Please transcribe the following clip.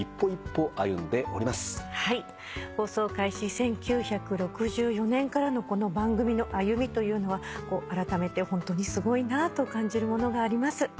１９６４年からのこの番組の歩みというのはあらためてホントにすごいなと感じるものがあります。